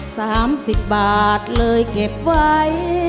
สามสิบบาทเลยเก็บไว้